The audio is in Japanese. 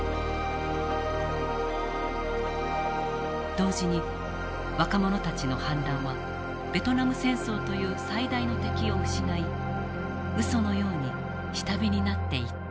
同時に若者たちの反乱はベトナム戦争という最大の敵を失いうそのように下火になっていった。